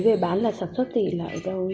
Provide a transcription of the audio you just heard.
về bán là sản xuất của người giao